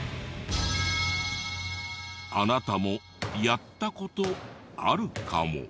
あなたもやった事あるかも。